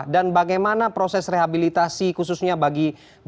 dan bagaimana proses rehabilitasi khususnya bagi berpenggunaan